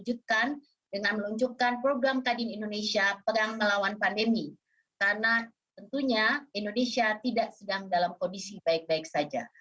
indonesia tidak sedang dalam kondisi baik baik saja